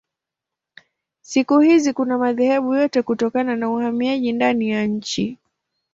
Siku hizi kuna madhehebu yote kutokana na uhamiaji ndani ya nchi.